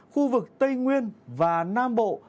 khu vực tây nguyên và nam bộ